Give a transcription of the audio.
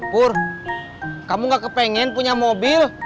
pur kamu gak kepengen punya mobil